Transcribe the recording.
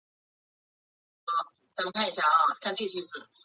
甘道夫与皮聘前往刚铎途中正好见到了烽火台被点燃。